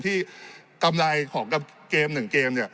ที่กำไรของเกมหนึ่งเกมเนี่ย